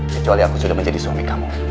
kecuali aku sudah menjadi suami kamu